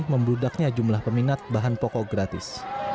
membludaknya jumlah peminat bahan pokok gratis